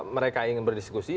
mereka ingin berdiskusi